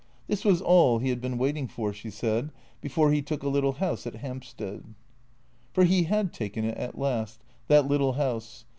This was all he had been waiting for, she said, before he took a little house at Hampstead. For he had taken it at last, that little house.